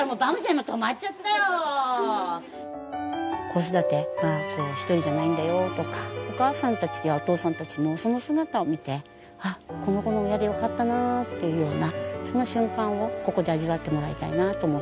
子育ては一人じゃないんだよとかお母さんたちやお父さんたちもその姿を見てこの子の親でよかったなっていうようなその瞬間をここで味わってもらいたいなと思って。